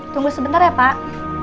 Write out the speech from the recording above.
tunggu sebentar ya pak